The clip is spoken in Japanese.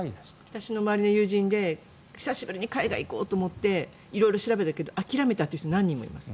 私の周りの友人で久しぶりに海外に行こうと思って調べたけど諦めたという人何人もいます。